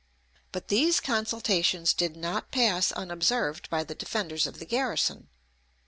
But these consultations did not pass unobserved by the defenders of the garrison.